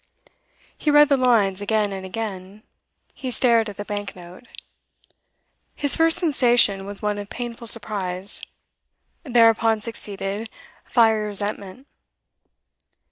He read the lines again and again; he stared at the bank note. His first sensation was one of painful surprise; thereupon succeeded fiery resentment.